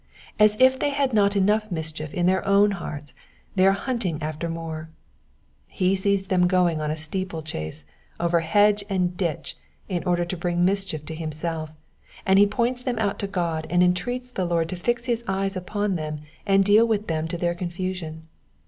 As if they had not enough mischief in their own hearts, they aie hunting after more. He sees them going a steeple chase over hedge and ditch in order to bring mischief to himself, and he points them out to God, and entreats the Lord to fix his eyes upon them, and deal with them to their confusion.